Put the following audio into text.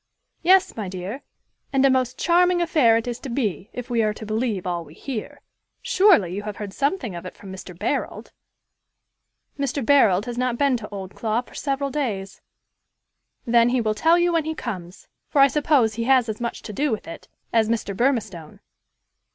"Yes, my dear; and a most charming affair it is to be, if we are to believe all we hear. Surely you have heard something of it from Mr. Barold." "Mr. Barold has not been to Oldclough for several days." "Then, he will tell you when he comes; for I suppose he has as much to do with it as Mr. Burmistone."